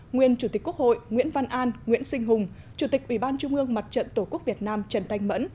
nguyên chủ tịch quốc hội nguyễn văn an nguyễn sinh hùng chủ tịch ubnd mặt trận tổ quốc việt nam trần thanh mẫn